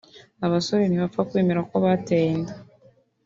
Abasore ntibapfa kwemera ko bateye inda